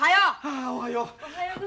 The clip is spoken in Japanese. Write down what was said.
ああおはよう。